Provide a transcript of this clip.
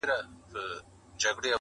چي د دفتر همكاران وايي راته~